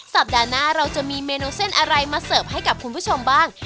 สัปดาห์หน้าเราจะมีเมนูเส้นอะไรมาเสิร์ฟให้กับคุณผู้ชมบ้าง